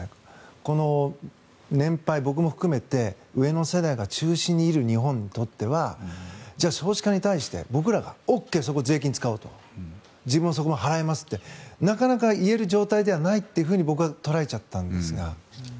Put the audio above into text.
この年配、僕も含めて上の世代が中心にいる日本にとってはじゃあ、少子化に対して僕らがＯＫ、そこに税金を使おうと自分はそこも払いますってなかなか言える状態じゃないって僕は捉えちゃったんですが。